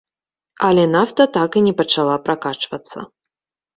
Але нафта так і не пачала пракачвацца.